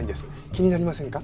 気になりませんか？